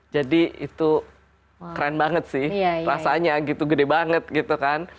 jadi itu keren banget sih rasanya gitu gede banget gitu kan